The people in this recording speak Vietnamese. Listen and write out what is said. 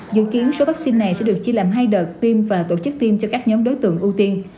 dự kiến số vaccine này sẽ được chia làm hai đợt tiêm và tổ chức tiêm cho các nhóm đối tượng ưu tiên